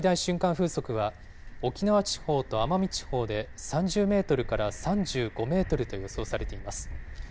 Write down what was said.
風速は、沖縄地方と奄美地方で３０メートルから３５メートルと予想されています。